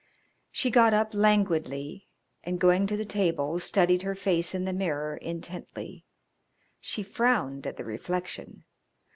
She got up languidly, and going to the table studied her face in the mirror intently. She frowned at the reflection.